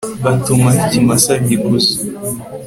batumahoikimasagikuze